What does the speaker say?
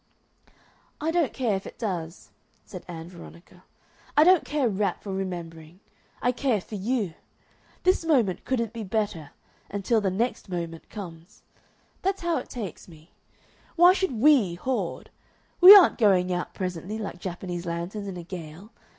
"I don't care if it does," said Ann Veronica. "I don't care a rap for remembering. I care for you. This moment couldn't be better until the next moment comes. That's how it takes me. Why should WE hoard? We aren't going out presently, like Japanese lanterns in a gale.